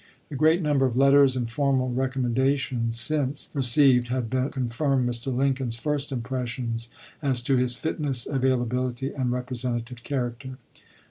A great number of letters and formal recommenda tions since received had but confirmed Mr. Lin coln's first impressions as to his fitness, availability, and representative character.